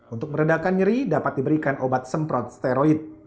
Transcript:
untuk meredakan nyeri dapat diberikan obat semprot steroid